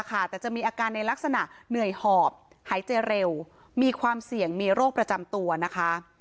แต่จะมีอาการในลักษณะเหนื่อยหอบหายใจเร็วมีความเสี่ยงมีโรคประจำตัวนะคะ